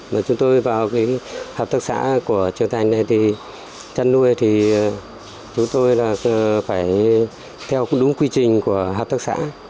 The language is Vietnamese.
mà chúng tôi vào hợp tác xã của trường thành này chăn nuôi thì chúng tôi phải theo đúng quy trình của hợp tác xã